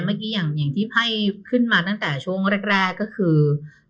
เมื่อกี้อย่างที่ไพ่ขึ้นมาตั้งแต่ช่วงแรกก็คือ